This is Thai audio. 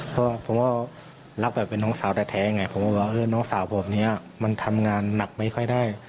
เพราะว่ารักแบบเป็นน้องสาวแท้ไงผมก็ว่าน้องสาวแบบนี้มันทำงานหนักไม่ค่อยได้